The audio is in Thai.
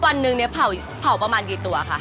วันหนึ่งเนี่ยเผาประมาณกี่ตัวคะ